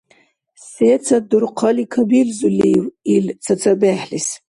Сецад дурхъали кабилзулив ил цацабехӀлис?